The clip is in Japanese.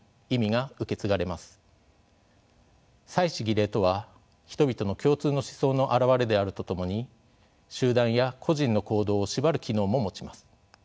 祭祀・儀礼とは人々の共通の思想の表れであるとともに集団や個人の行動を縛る機能も持ちます。